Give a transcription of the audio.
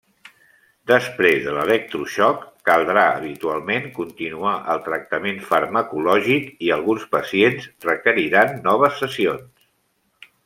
Després de l'electroxoc, caldrà habitualment continuar el tractament farmacològic, i alguns pacients requeriran noves sessions.